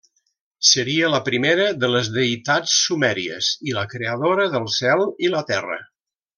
Seria la primera de les deïtats sumèries i la creadora del cel i la Terra.